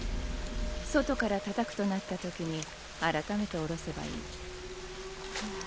外からたたくとなったときに改めて下ろせばいい。